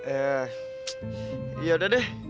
eh ya udah deh